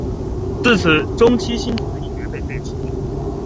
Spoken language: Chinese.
自此中圻钦使一职被废除。